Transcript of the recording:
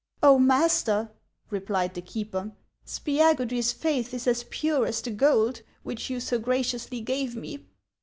" Oh, master! " replied the keeper, " Spiagudry's faith is as pure as the gold which you so graciously gave me."